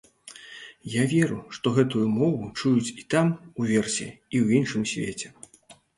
Я веру, што гэтую мову чуюць і там, уверсе, у іншым свеце.